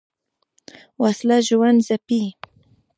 وسله ژوند ځپي